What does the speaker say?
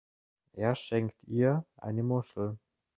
Er schenkt ihr eine Muschel.